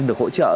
được hỗ trợ